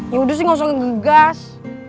ya udah sih gak usah ngegegas